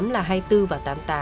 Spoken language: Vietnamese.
là hai mươi bốn và tám mươi tám